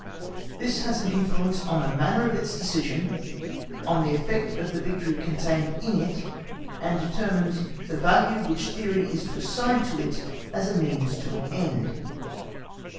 This has an influence on the manner of its decision, on the effect of the victory contained in it, and determines _the value which theory is to assign to it as a means to an end.